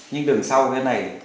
nhưng đường sau cái này